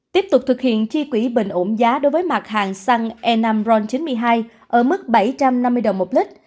tiếp tục thực hiện chi quỹ bình ổn giá đối với mặt hàng xăng e năm ron chín mươi hai ở mức bảy trăm năm mươi đồng một lít